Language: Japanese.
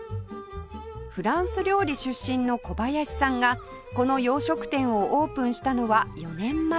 フランス料理出身の小林さんがこの洋食店をオープンしたのは４年前